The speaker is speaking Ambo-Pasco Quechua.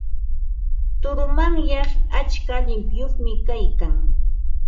Turumanyay atska llimpiyuqmi kaykan.